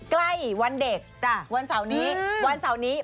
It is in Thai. ใกล้วันเด็กวันเสาร์นี้